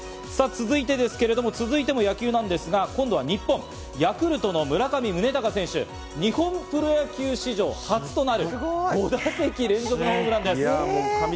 続いて野球ですが、今度は日本、ヤクルトの村上宗隆選手、日本プロ野球史上初となる５打席連続ホームランです。